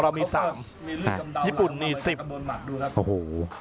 เรามี๓ญี่ปุ่นนี่สิบโอ้โห